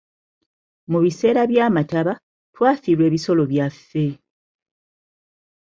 Mu biseera by'amataba, twafiirwa ebisolo byaffe.